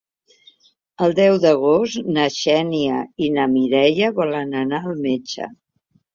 El deu d'agost na Xènia i na Mireia volen anar al metge.